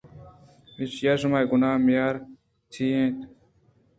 ایشی ءَ شمئے گناہ ءُ میار چے اِنت